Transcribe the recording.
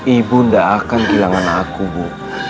ibu tidak akan kehilangan aku bu